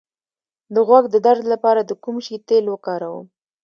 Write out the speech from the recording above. د غوږ د درد لپاره د کوم شي تېل وکاروم؟